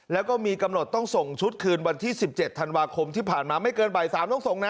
แล้วก็มีกำหนดต้องส่งชุดคืนวันที่๑๗ธันวาคมที่ผ่านมาไม่เกินบ่าย๓ต้องส่งนะ